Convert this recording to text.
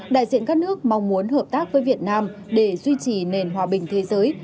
đại diện các nước mong muốn hợp tác với việt nam để duy trì nền hòa bình thế giới